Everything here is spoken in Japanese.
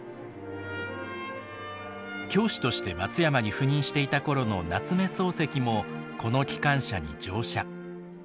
教師として松山に赴任していた頃の夏目漱石もこの機関車に乗車。